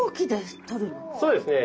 そうですね。